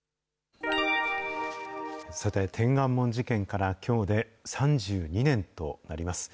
さて、天安門事件からきょうで３２年となります。